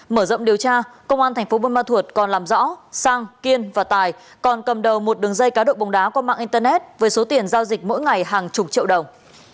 mở rộng điều tra công an thành phố buôn ma thuột còn làm rõ sang kiên và tài còn cầm đầu một đường dây cá độ bóng đá qua mạng internet với số tiền giao dịch mỗi ngày hàng chục triệu đồng